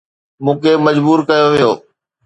مون کي مجبور ڪيو ويو